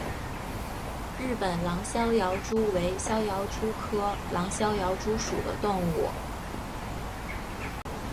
日本狼逍遥蛛为逍遥蛛科狼逍遥蛛属的动物。